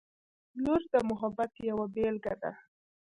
• لور د محبت یوه بېلګه ده.